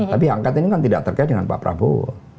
tapi angket ini kan tidak terkait dengan pak prabowo